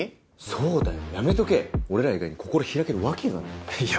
そうだよやめとけ俺ら以外に心開けるわけがないいや